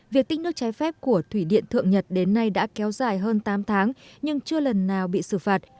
việc tích nước trái phép của thủy điện thượng nhật đến nay đã kéo dài hơn tám tháng nhưng chưa lần nào bị xử phạt